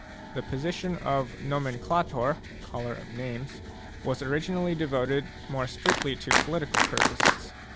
The position of nomenclator, "caller of names," was originally devoted more strictly to political purposes.